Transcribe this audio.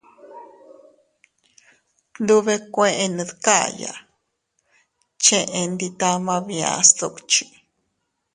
Tndubekuen dkaya cheʼe ndi tama bia sdukchi.